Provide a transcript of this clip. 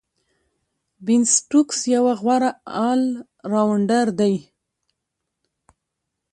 بین سټوکس یو غوره آل راونډر دئ.